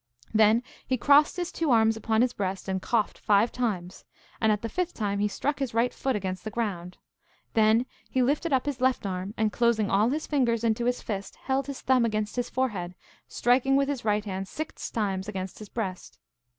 Then he crossed his two arms upon his breast and coughed five times, and at the fifth time he struck his right foot against the ground. Then he lift up his left arm, and closing all his fingers into his fist, held his thumb against his forehead, striking with his right hand six times against his breast.